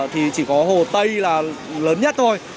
thì chỉ có hồ tây là lớn nhất thôi